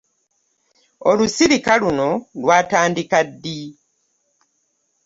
Olusirika luno lwatandika ddi?